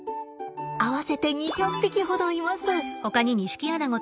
合わせて２００匹ほどいます。